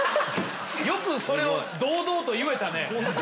よくそれを堂々と言えたね。